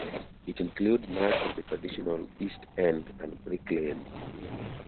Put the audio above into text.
It includes much of the traditional East End and Brick Lane.